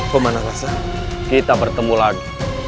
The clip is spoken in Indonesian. kemana rasa kita bertemu lagi